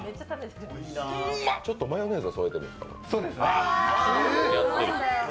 ちょっとマヨネーズを添えてるんですかね。